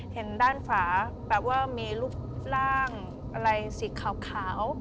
เห็นด้านฝาแบบว่ามีรูปร่างอะไรสีขาว